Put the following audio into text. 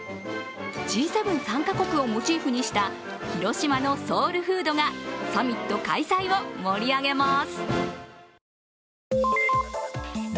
Ｇ７参加国をモチーフにした広島のソウルフードがサミット開催を盛り上げます。